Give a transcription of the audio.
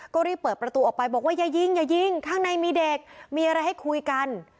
ก็รีบเปิดประตูออกไปบอกว่าอย่ายิงอย่ายิงข้างในมีเด็กมีอะไรให้คุยกัน